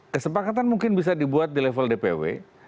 kesepakatan mungkin bisa dibuat di level dpw